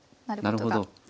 なるほど。